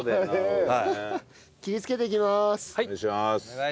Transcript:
お願いします。